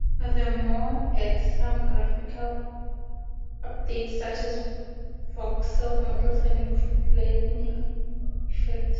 The mod adds some graphical updates such as voxel models and improved lighting effects.